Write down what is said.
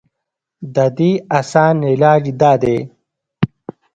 د دې اسان علاج دا دے